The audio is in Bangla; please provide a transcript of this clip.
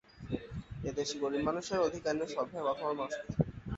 এ দেশে গরিব মানুষের অধিকার নিয়ে সৎভাবে কথা বলার মানুষ কোথায়?